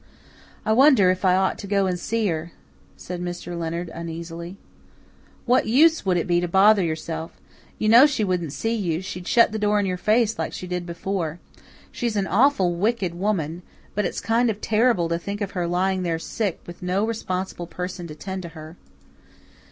"I wonder if I ought to go and see her," said Mr. Leonard uneasily. "What use would it be to bother yourself? You know she wouldn't see you she'd shut the door in your face like she did before. She's an awful wicked woman but it's kind of terrible to think of her lying there sick, with no responsible person to tend her."